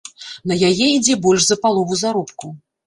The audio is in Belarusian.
На яе ідзе больш за палову заробку.